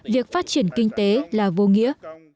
việc phát triển kinh tế là vô nghĩa